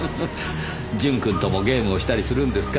ジュンくんともゲームをしたりするんですか？